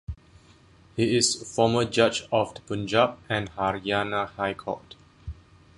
He is Former Judge of the Punjab and Haryana High Court.